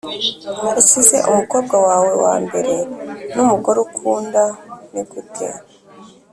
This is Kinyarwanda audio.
usize umukobwa wawe wambere numugore ukunda, nigute?